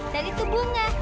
dan itu bunga